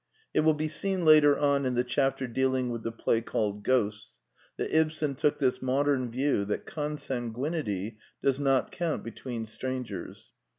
It will be seen later on in the chapter dealing with the play called Ghosts, that Ibsen took this modem view that consanguinity does not count between strangers.